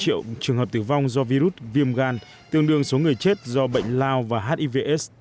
một ba mươi bốn triệu trường hợp tử vong do virus viêm gan tương đương số người chết do bệnh lao và hivs